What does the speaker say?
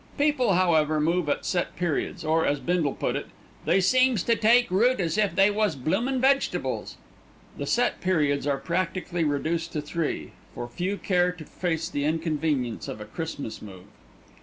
People, however, move at set periods, or, as Bindle put it, they "seems to take root as if they was bloomin' vegetables." The set periods are practically reduced to three, for few care to face the inconvenience of a Christmas move.